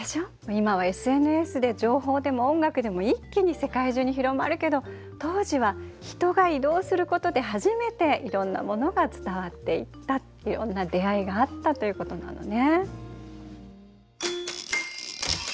今はＳＮＳで情報でも音楽でも一気に世界中に広まるけど当時は人が移動することで初めていろんなものが伝わっていったいろんな出会いがあったということなのね。